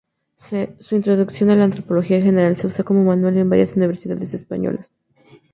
Su "Introducción a la antropología general" se usa como manual en varias universidades españolas.